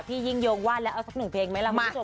ยิ่งยงว่าแล้วเอาสักหนึ่งเพลงไหมล่ะคุณผู้ชม